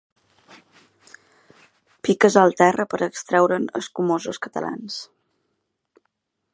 Piques al terra per extreure'n escumosos catalans.